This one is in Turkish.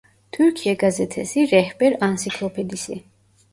Türkiye Gazetesi Rehber Ansiklopedisi.